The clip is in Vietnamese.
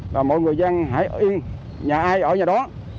và mọi người dân hãy ở yên nhà ai ở nhà đó